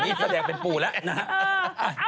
นี่แสดงเป็นปูแล้วนะฮะ